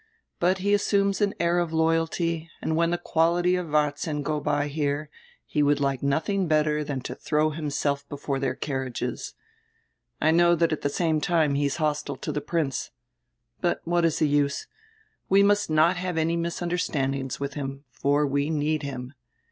But he assumes an air of loyalty, and when die quality of Varzin go by here he would like nodiing better dian to dirow him self before dieir carriages. I know diat at die same time he is hostile to die Prince. But what is the use? We must not have any misunderstandings with him, for we need him.